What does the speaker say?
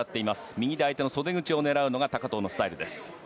右で相手の袖口を狙うのが高藤のスタイル。